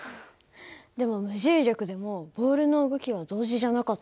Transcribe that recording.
でも無重力でもボールの動きは同時じゃなかったね。